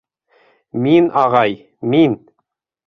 — Мин ағай, мин.